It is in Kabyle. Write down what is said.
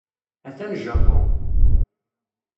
Atan Japun.